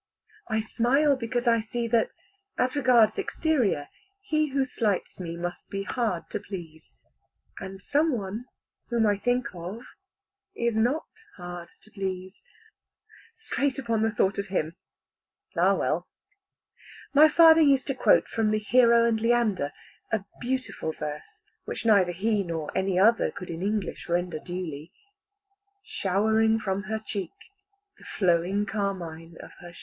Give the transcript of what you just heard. I smile because I see that, as regards exterior, he who slights me must be hard to please; and some one, whom I think of, is not hard to please. Straight upon the thought of him Ah well. My father used to quote from the "Hero and Leander" a beautiful verse, which neither he nor any other could in English render duly, [Greek: Aidoûs hyròn éreuphos apostazousa prosôpou.] v. 173.